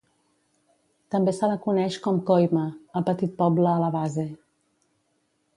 També se la coneix com Koyma, el petit poble a la base.